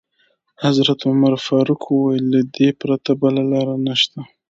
حضرت عمر فاروق وویل: له دې پرته بله لاره نشته.